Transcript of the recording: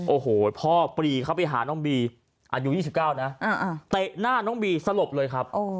โอ้โหพ่อปรีเข้าไปหาน้องบีอายุ๒๙นะเตะหน้าน้องบีสลบเลยครับ